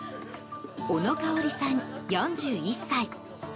小野加央里さん、４１歳。